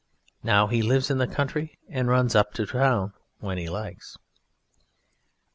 Now he lives in the country and runs up to town when he likes.